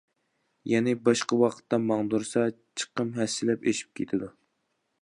يەنى، باشقا ۋاقىتتا ماڭدۇرسا، چىقىم ھەسسىلەپ ئېشىپ كېتىدۇ.